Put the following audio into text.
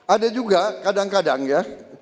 ada juga kadang kadang ya